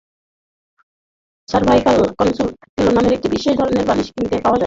Cervical contour pillow নামের একটি বিশেষ ধরনের বালিশ কিনতে পাওয়া যায়।